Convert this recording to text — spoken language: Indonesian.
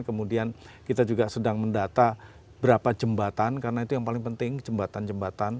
kemudian kita juga sedang mendata berapa jembatan karena itu yang paling penting jembatan jembatan